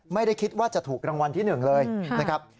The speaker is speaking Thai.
ไม่ได้คิดว่าจะถูกรางวัลที่๑เลยนะครับ